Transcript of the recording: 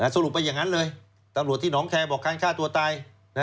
สรุปไปอย่างนั้นเลยตำรวจที่หนองแคร์บอกการฆ่าตัวตาย